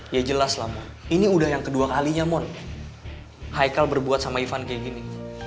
ya jelaslah ini udah yang kedua kalinya mon haikal berbuat sama ivan kayak gini